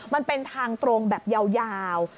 มันเป็นทางตรงแบบยาว